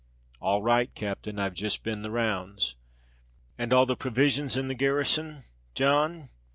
"All right, captain: I've just been the rounds." "And all the provisions in the garrison, John?